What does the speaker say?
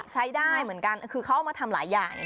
ใช้ได้เหมือนกันคือเขาเอามาทำหลายอย่าง